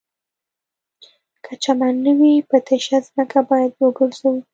که چمن نه وي په تشه ځمکه باید وګرځو